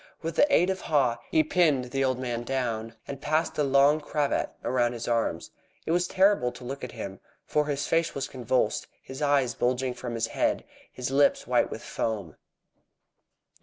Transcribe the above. With the aid of Haw, he pinned the old man down, and passed a long cravat around his arms. It was terrible to look at him, for his face was convulsed, his eyes bulging from his head, and his lips white with foam.